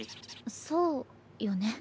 そうよね。